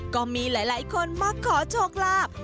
ก็มีหลายคนมาขอโชคลาภ